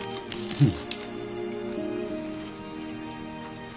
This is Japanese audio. うん。